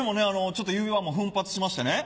ちょっと指輪も奮発しましてね。